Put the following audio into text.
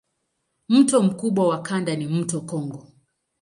Mto mkubwa wa kanda ni mto Kongo.